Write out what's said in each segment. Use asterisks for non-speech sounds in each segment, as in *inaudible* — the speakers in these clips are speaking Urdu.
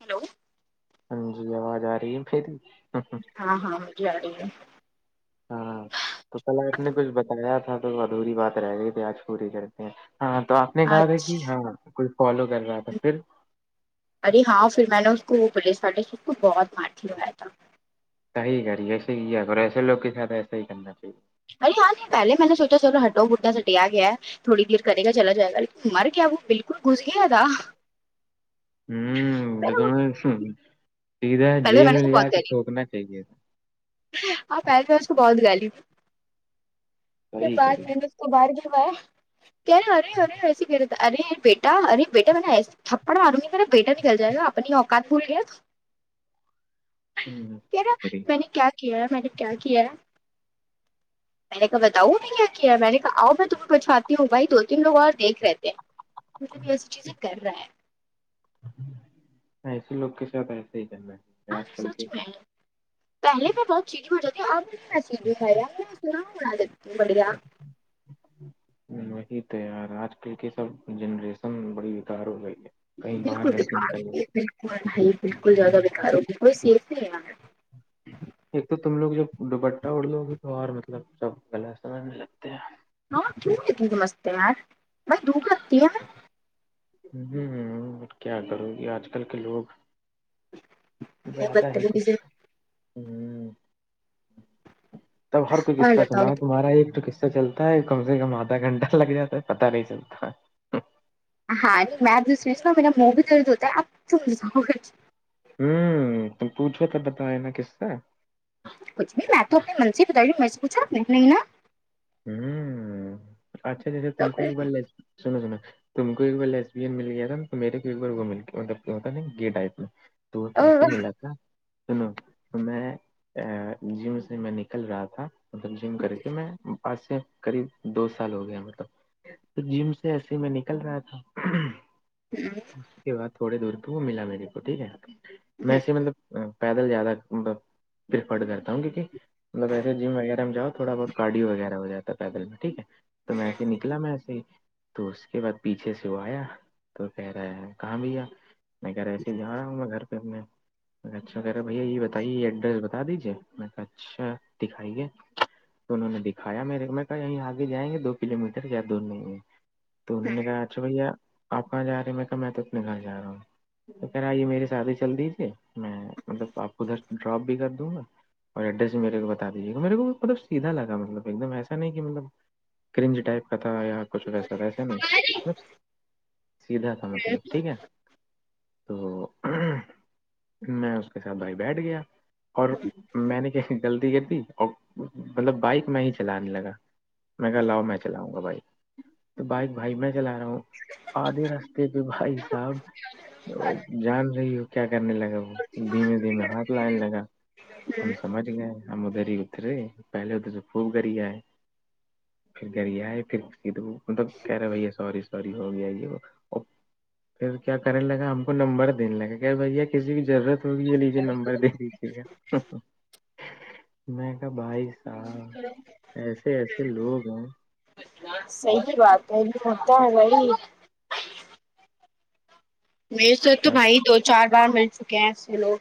ہیلو ہاں جی آواز آ رہی ہے پھر ہاں ہاں مجھے ارہی ہے ہاں تو کل آپ نے کچھ بتایا تھا تو ادھوری بات رہ گئی تھی آج پوری کرتے ہیں ہاں تو آپ نے کہا تھا اچھا کہ ہاں کچھ فالو کر رہا تھا پھر ارے ہاں پھر میں نے اس کو پولیس والے سے بہت مارتیوایا تھا صحیح کریے ایسے کیا کرو ایسے لوگ کے ساتھ ایسے ہی کرنا چاہیے ار ہاں نہیں پہلے میں نے سوچا چلو ہٹو گردہ سٹیا اگیا ہے تھوڑی دیر کرے گا چلا جائے گ لیکن مر کیا وہ بالکل گھس گیا تھا ہوں تم نے سیدھا جیل میں لیا کے تھٹوکنا چاہیے آپ پہلے میں *unintelligible* تو صحیح کری باہر کی ہوا ہے کہے ہرے ہرے ویسیے کر رہے ارے بیٹا ارے بیٹا میں نے تھپڑا ماروگا تیرا بیٹا نکل جائے گا اپنی اوقات بھول گیا ہوں، کہ صحیح رہا کری ے میں نے کیا کیا ہے میں نے کیا کیا ہے *inaudible* میں نے کہا بتاؤ نہیں کیا میں نے کہا آؤ میں تمہیں پچھاتی ہوں بھائی دو تین لگ اور دیکھ رہتے ہیں مب بھی ایسی چیزیں کر رہا ہیں ایسے لوگ کے ساتھ ایسا ہی کرنا ہے سچ میں پہلے میں بہت چیزیں ہو جاتی اب ی بھی خ سنا ہو بڑھیا *unintelligible* وہی تیار آج کل کی سب جنریشن بڑی وتار ہو گئی ہے کہیں باہر بالکل لڑکے نکل باری بالکل بھائی بالکل زیادہ بکھار ہوگی کوئی سیف نہیں ہے *inaudible* ایک تو تم لوگ جب دوپٹہ اڑ دوو گے تو اور مطلب سب گغلط سمجھنے لگتے ہیں ہاں کیوںتیمستتے میںار بائی دکھتی ہے *unintelligible* ہوں ہ کیا کرو گی آج کل کے لوگ میں زیادہ ہی بدتمیزی کچھ سے ہ تب ہر کوئی اور قصہ بتاؤ سنا ہے تمہارا ایک تو قصہ چلتا ہے کم سے کم آدھا گھنٹہ لگ جاتا ہے پتا نہیں چلتا ہاں نہیں میپ دوسریس نا میرا مو بھی درد ہوتا ہے آپ ت جاؤ گ ہوں تم پوچھو ت بتائے نا کسسا سے کچھ بھی میں تو اپنے من سے ہی بتائیوں میں سے پچھا اپ نا ہوں اچھا اچھا اچھا تم کو بول ل سناو سناو تم کو ایک بار لیسین مل گیا تھا نا میرے کو ایک بار وہ مل نا گی ٹائپ میں تو وہ کیسے ملا تھا سنو تو میں جم سے میں نکل رہا تھا مطلب جم کر کے میں پس سے قریب دو سال ہو گیا مطلب تو جم سے ایسے میں نکل رہا تھا اس کے بعد تھوڑے دور پہ وہ ملا میرے کو ٹھیک ہے میں سےے مطلب پیدل زیادہ مب پرفرڈ کرتا ہوں کیونکہ مطلبسے جم وغیرہ میں جؤ تھوڑا بہت گای وغیرہ ہو جاتا پیدل میں ٹھیک ہے تو میں ایسے ہی نکلا میںسے ہی تو اس کے بعد پیچھے سے وہ آیا تو کہہ رہا ہے کہاں بیا میں گھر ایس ہی جا رہا ہوں میں گھر پہھر میں اچھا کہ رہ بھیا یہ بتائیے یہ ایڈریس بتا دیجیے م اچھا دکھائیے تو انہوں نے دکھایا میرے میں کہ یہیں آگے جائیں گے دو کلو میٹر یا دور نہیں ہے تو انہوں نے کہا اچھا بھیا آپ کہاں جا رہے ہیں میں کہا میں تو انے کہاں ج رہا ہوں تو خ آئیے میرے ساد ہی چل دی تھی میں مطلب آپ کو ادھر ڈراپ بھی کر دوں گا اور ایڈریس میرے کو ب دیجیےا میرے کو مطل سیدھا لگا مطلب ایک دم ایسا نہیں کہ مطلب کرنج ٹائپ کا تھا یا کچھ ویسا ایسا نہیں سیدیدھا تھا مطلب ٹھیک ہے تو میں اس کے ساتھ بھائی بیٹھ گیا اور میں نے کہ غلطی کر دی اور مطلب بائک میں ہی چلانے لگا میں کہ لاؤ میں چلاؤں گا بھائی تو بائک بھائی میں چلا رہا ہوں آدھے راستے پہ بھائی صاحب جان رہی ہو کیا کرنے لگا وہ دھیمے دھیمے ہاتھ لانے لگا ہم سمجھ ہم لوگ ادھر ہی اترے پواہلے خوب گریا ہے پھر گریا ہے پھر مطلب کہ رہے بی ہے سوری اری ہو گیا ج وہ *unintelligible* پھر کیا کرنے لگا ہم کو نمبر دینے لگا کیا بھیا کسی کی ضرورت تھڑ یہ لیجے نمبر دے دیجیے گا میں کہ بائیس سال *inaudible* ایسے ایسے لوگ ہیں صحی بات ہے ہوتا ہے وہی میرے سے تو بھائی دو چار بار مل چکے ہیں ایسے لوگ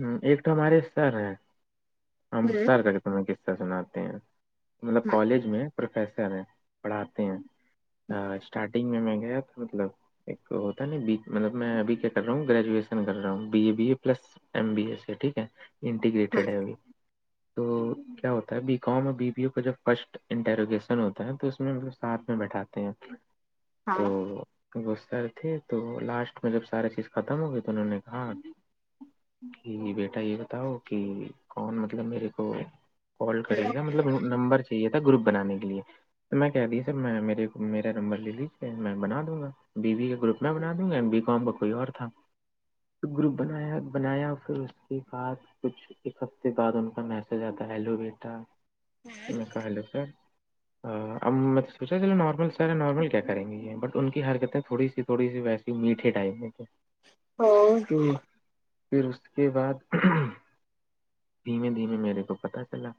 ہ ایک تو ہمارے سر ہیں ہم ہ سر کا کہ تمیں قسہ سناتے ہیں مطلب ہ کالج میں پروفیسر ہیں پڑھاتے ہیں اسٹارٹنگ میں گیا تھا مطلب ایک ہوتا ہے ن مطلب میں ابھی کیا کر رہا ہوں گریجویشن کر رہا ہوں B A B A plus M B S ہے ٹھیک ہے انٹیگریٹڈ ہے ابھی تو کیا ہوتا ہے بی کام اور بی بی یو کا جب فسٹ انٹیروگیشن ہوتا ہے تو اس میں ساتھ میں بیٹھاتے ہیں ہاں تو ہوں وہ سر تھے تو لاسٹ میں جب ساریے چیز ختم ہو گئی تو انہوں نے کہا کہ بیٹا یہ بتاؤ کہ کون مطلب میرے کو کال کریے گا مطلب نمبر چاہیے تھا گروپ بنانے کے لیے میں کہہ دی سر میں میرے کو میرا نمبر لے لیجیے میں بنا دوں گا بی بی کے گروپ میں بنا دوں گا ایم بی کام کا کوئی اور تھا گروپ بنایا بنایا پھر اس کے بعد کچھ ایک ہفتے بعد ان کا میسج آتا ہیلو بیٹا میں کہلو سر اب میں تو سوچا چلو نارمل سارا نارمل کیا کریں گی یہ بٹ ان کی حرکتیں تھوڑی سی تھوڑی سی ویس میٹے ٹائپ میں ہ تو پھر اس کے بعد دھیمے دھیمے میرے کو پتا چلا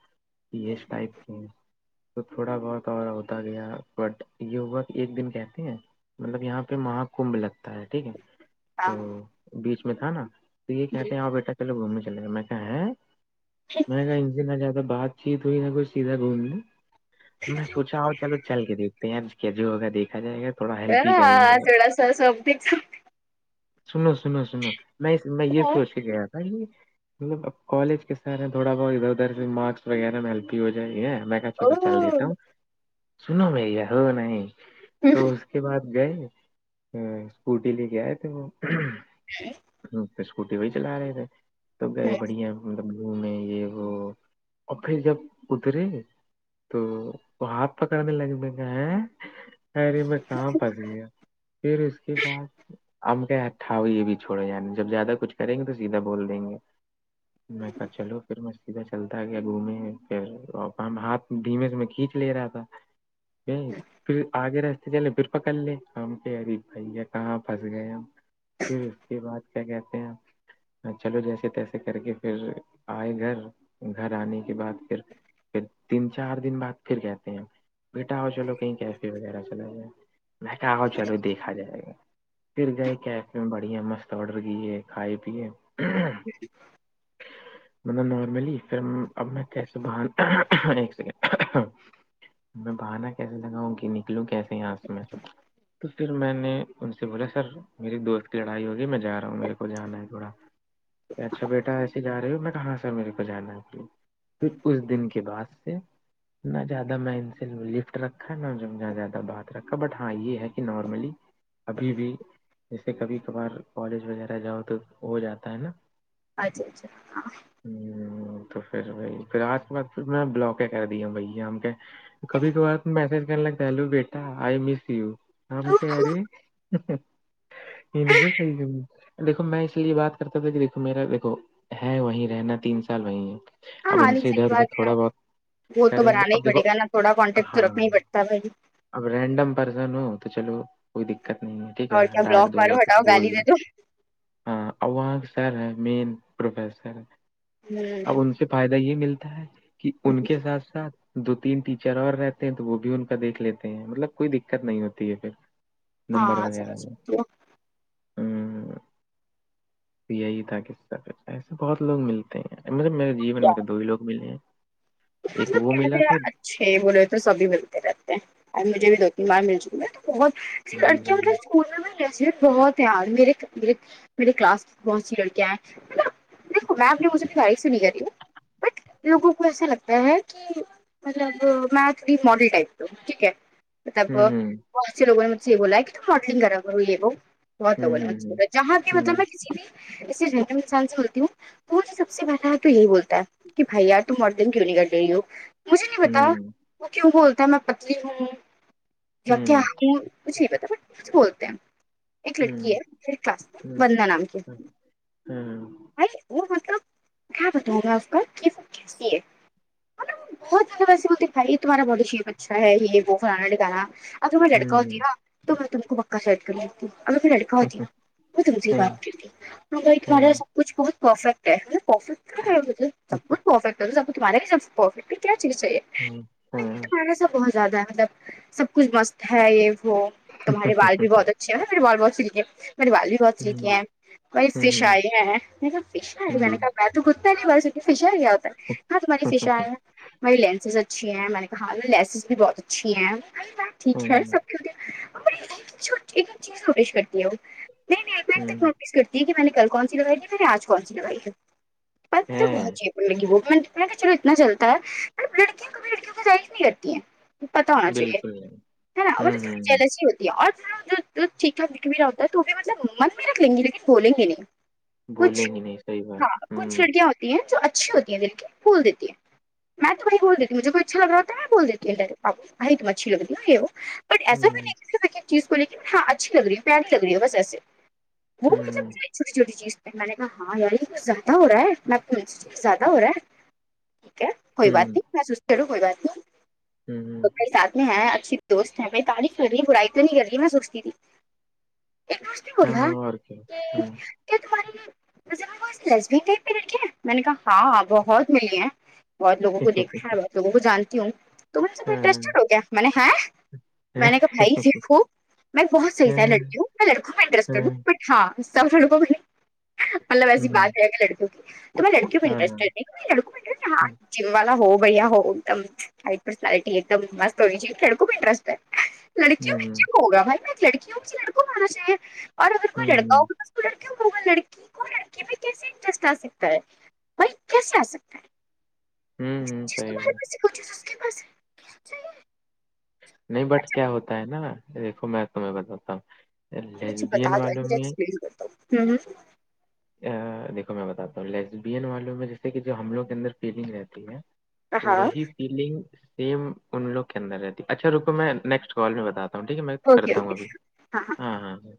کہ اس ٹائپ کے ہیں تو تھوڑا بہت اورا ہوتا گیا بٹ یوک ایک دن کہتے ہیں مطلب یہاں پہ مہ کمب لگتا ہے ٹھیک ہے ہاں تو بیچ میں تھا نا تو یہ کہتے ہیں آ بیٹا چلو گھومنے چلے گا میں کہ ہے میں کہا ان سے نہ زیادہ بات چیت ہوئی نہ کچھ سیدھا گھوم میں سوچا ہ چلو چل کے دیکھتے ہیں آج کیا جو ہوگا دیکھا جائے گا تھوڑا ہیلپ ہی کریں گے کیاسڑا س سوتی سنو سنو سنو میں میں یہ ہے سوچ کے گیا تھا کہ مطلب کالج کے سر ہیں تھوڑا بہت ادھر ادھرھر مارکس وغیرہ میں ہیلپی ہو جائے ہے ا چل تو چل او دیتا ہوں سنو میںیا ہو نہیں تو اس کے بعد گئے اسکوٹی لے کے آئے تھے وہ جی ہ پ اسکوٹی وہی چلا رہے تھے تو گئے بڑھیا ملب م میں یہ وہ افریکہ بدے تو وہ ہاتھ پکڑنے لگ م گا ہے خیر یے میں کہاں پھنس گیا پھر اس کے بعد ہم ٹھا ہو یہ بھی چھوڑے جا جب زیادہ کچھ کریں گے تو سیدھا بول دیں گے میں کہا چلو پھر میں سیدھا چلتا گیا دو مہینے پھر اور ہاتھ دھیمے سے میں کھینچ لے رہا تھا نہیں پھر آگے رہ چلے پھر پکڑ لے ہم کہ ارے بھیا کہاں پھنس گئے ہم پھر اس کے بعد کیا کہتے ہیں چلو جیسے تیسے کر کے پھر آئے گھر گھر آنے کے بعد پھر پھر تین چار دن بعد پھر کہتے ہیں بیٹا آؤ چلو کہیں کیفے وغیرہ چلاائے میں کہا آؤ چلو دیک ا جائے گا پھر گئے کیفے میں بڑھیا مست آڈر کیے کھائے پیے *unintelligible* *unintelligible* مطلب نارملی پھر اب میں کیسے بات ایک سیکنڈ ہ میں بہانا کیسے لگاؤں کہ نکلوں کیسے یہ اس میں تو پھر میں نے ان سے بولا سر میری دوست کی لڑائی ہوگئی میں جا رہا ہوں میرے کو جانا ہے تھوڑا کہ اچھا بیٹا ہے جا رہے ہو میں کہاں س میرے کو جانا ہے پھر پھر اس دن کے بعد سے نہ زیادہ مینسل لفٹ رکھا نہ زیادہ بات رکھا بٹ ہاں یہ ہے کہ نارملی ابھی بھی جیسے کبھی کبھار کالج وغیرہ جاؤ تو ہو جاتا ہے نا اچھا اچھا ہاں ہ تو پھر وہی پھر آج کے بعد پھر میں بلاک کر دیا بھائی ہم کے کبھی کبھار میسج کرنے لگتا ہلو بیٹا آئی مس یو ہم کہ رہے دیکھو میں اس لیے بات کرتا تھا کہ دیکھو میرا دیکھو ہے وہیں رہنا تین سال وہیں ہے ہاں اب ہاں ان نہیں سے ا دھر صحیح ادھر بات ہے تھوڑا آپ بہت وہ تو کریں گے بنانا ہی اب دیکھو پڑے گا نا تھوڑا کانٹیکٹ تو ہاں رکھنا ہی پڑتا بھائی اب رینڈم پرسن ہو تو چلو کوئی دقت نہیں ہے ٹھیک ہے اور کیا ڈانٹ بلاک دو یا مارو کچھ ہٹاؤ بول گالی دو دے ہاں اور وہاں کے سر ہے مین پروفسر ہوں *inaudible* سے فائدہ یہ ملتا ہے کہ ان کے ساتھ ساتھ دو تین ٹیچر اور رہتے ہیں تو وہ بھی ان کا دیکھ لیتے ہیں مطلب کوئی دقت نہیں ہوتی ہے پھر ہاں سمجھ سکتی ہوں ہ یہی تھا کی سر ایسے بہت لوگ ملتے مطلب میرے جین میں تو دو ہی لوگ ملے ہیں تو ایک سب وہ ملا کہتے تھا ہیں چھ بولے تو سبھی ملتے رہتے ہیں اور مجھے بھی دو تین بار مل ج گ میں تو بہت ہوں *inaudible* ان میں نصیحت بہت ہی یار میرے مے میرے کلاس میں بہت س لڑکیاں ہے دیکو میں ا لوگوں سے باری سے بگ رہی ہوں بٹ لوگوں کو ایسا لگتا ہے ہے کہ مطلب میھ تھوڑی ماڈل ٹائپ کی ہو ٹھیک ہے مطلب ہوں بہت سے لوگوں نے مجھے بولا ہے کی ٹیم ماڈلنگ کاری کروں یے و بہ ہوں ہوں جہاں کی مطلب ہوں نا کسی جے جن انسان سے بولتی ہوں تو وہھ سب سے پہا تو یہی بولتا ہے کہ بھائی یار ت اور دن کیوں نہیں کر رہی ہو مجھے نہیں پتا ہوں وہ کیوں بولتا ہے میں پتلی ہوں ج ہوں کیا کچھ نہی پتا بوٹا مجھے بولتے ہیں ایک لڑکی ہوں ہےر کلاس وندنا نام کی ہوں وہ مطلب کہ بتاؤں مائے اسکا کے و کیسے ہے بہت زیادہ ویسے بولتے ہیں بھائی تمہارا باڈی شیپ اچھا ہے یہ وہ فھلانا دھمکانا اگر میں لڑکا ہوں ہوتی ن تو میں تم کو پکا سیٹڈ کر لیتی اگر پھر لڑکا ہوتی ن *inaudible* کچھ بہت پرفیکٹ ہے پرفیکٹ سب کچھ پرفٹ ہے سب کھ تمہارے یہ س پرفیکٹ کیا چیز چاہیے ہاں ہاں سا بہت زیادہ ہے مطلب سب کچھ مست ہے یہ وہ تمہارے بال بھی بہت اچا اچھا میرے بال بہت سلکے ہیں میرے بال بھی بہت سلکے ہیں بائی فش آئے ہیںا فشر ہے ج گتا ہے نہیں بس فشر گیا ہوتا ہے ہاں تمہاری فش ہے مری لینسز اچھی ہیں میں نے کہا لینسز بھی بہت اچھی ہیں ٹھیک ہے سب کی چیز کو پیش کرتی ہے وہ نہیں میں ایک پٹ تک نوشش کرتی ہ کہ میں نے کل کون سی لگائی تھی میر نے آج کون سی لگائی ہے پانی تو ہے بہچی پر لگ گ *inaudible* چلو اتنا چلتا ہے لڑکیوں کو بھی لڑکیوں کی طرف نہیں کرتی ہیں پتا ہونا بالکل نہیں چاہیے نا ہوں ہوں جیلسی اور چیھا دکھ بھی رہ ہوتا ہے تو وہ بھی مطلب من بھی رکھ لیں گی لیکن بولیں گے نہیں کچھ بولیں گے نہیں صحیح بات ہاں کچھ ہوں لڑکیاں ہوتی ہیں جو اچھی ہوتی ہیں دل کے بھول دیتی ہیں میں توم بول دیتی ہ مھے کوئی اچھا لگاتا ہے میں بولتیوں ڈائراب بائی تم اچھی لگتی ہو ہے ہو بٹ ایسا بھی ہوں نہیں چیز کو لے ہاں اچھی لگ رہی ہے پیاری لگ رہی ہے بس ایسے وہ مطلب ہوں چوٹی چھوٹی چیز میں نے کہا ہاں یار کچھ زیادہ ہو رہا ہے میں پ زیادہ ہو رہا ہے ٹھیک ہے کوئی بات ہوں نہیں میں سوچتے رہوں کوئی بات ہوں نہیںات نہیں اچھی دوست ہے بھائی تعریف کر رہی برائی تو نہیں کر رہی میں سوچتی تھی بلا ہاں اور کیا ہوں کیا تمہاریذبی ٹائپ لڑکی ہے میں نے کہا ہاں بہت ملی ہیں بہت لگوں کو صحیح دیکھا ہے بہت لووں کو جانتی ہوں تو م سے بات انٹرسٹیڈ ہو گیا میں نے ہیں میں نے کہا بھائی دیکھو میں بہت صحیح تھا لڑکیوں میں لڑکوں میںٹرس ہوں ہاں لڑکوں کو نہیں مطلب ایسی بات رہ گا لڑکیوں کی تو میں لڑکیوں کو انٹرسٹیڈ نہیں ک ہاں جیم والا ہو بھیا ہوگ دم فائٹ پسنالٹی ایک دم مست ہوئی جی کڑ خوب انٹرسٹ ہے لڑکیوں میں کیوں ہوگا بھائی میں ایک لڑکیوں کہ لڑکوں ہونا چاہیے اور اگر کوئی لڑکا ہوا تو لڑکیوں کوگا لڑکی کو لڑکی میں کیسے انٹرسٹ آ سکتا ہے بائی کیسے آ سکتا ہے ج چیز تمہارے پاس کو چیز اس کے پاس نہیں بٹ کیا ہوتا ہے نا دیکھو میں تمہیں بتاتا ہوں ھ لیسبین والوں میں پتااتجسپ کرتا ہوں دیکو میں بتاتا ہوں لیزبین والوں میں جیسے کہ جو حملوں کے اندر فیلنگ رہتی ہے ہاں وہی فیلنگ سیم ان لوگ کے اندر رہتی اچھا رکو میں نیکسٹ کال میں بتاتا ہ ٹھیک ہے میں اوکے کرتا ہوں اوکے ابھی ہاں ہاں ہ